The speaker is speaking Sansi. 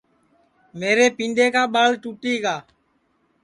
میرے پینڈؔے کا ٻاݪ ٹُوٹی گا